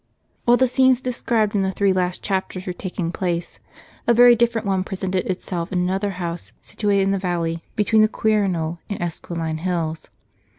HILE the scenes described in the three last chapters were taking place, a very different one presented itself in another house, situ ated in the valley between the Quirinal and Esquiline hills.